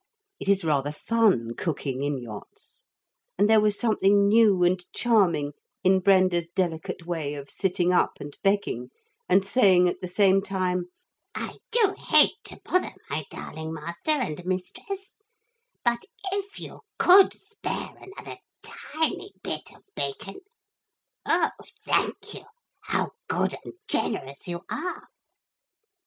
It is rather fun cooking in yachts. And there was something new and charming in Brenda's delicate way of sitting up and begging and saying at the same time, 'I do hate to bother my darling master and mistress, but if you could spare another tiny bit of bacon Oh, thank you, how good and generous you are!'